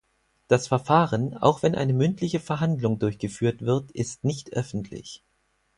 Das Verfahren, auch wenn eine mündliche Verhandlung durchgeführt wird, ist nicht öffentlich.